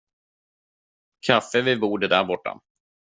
Kaffe vid bordet där borta.